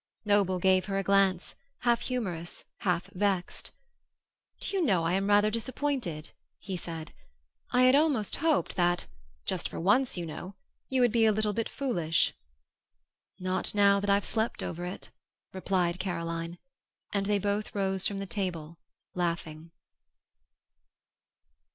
Noble gave her a glance, half humorous, half vexed. "Do you know I am rather disappointed?" he said. "I had almost hoped that, just for once, you know, you would be a little bit foolish." "Not now that I've slept over it," replied Caroline, and they both rose from the table, laughing.